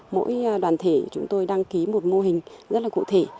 mỗi đoàn thể chúng tôi đăng ký một mô hình rất là cụ thể